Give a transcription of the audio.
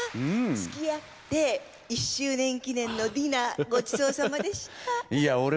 つきあって１周年記念のディナーごちそうさまでした。